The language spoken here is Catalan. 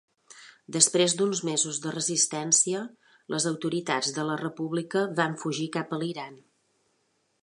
Després d'uns mesos de resistència les autoritats de la República van fugir cap a l'Iran.